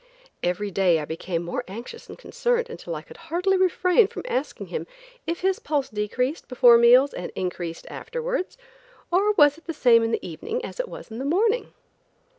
Every day I became more anxious and concerned until I could hardly refrain from asking him if his pulse decreased before meals and increased afterwards, or if it was the same in the evening as it was in the morning.